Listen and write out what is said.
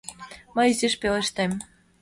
Мый изиш пелештем.